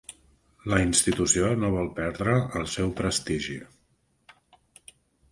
La institució no vol perdre el seu prestigi.